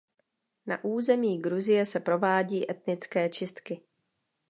Na území Gruzie se provádí etnické čistky.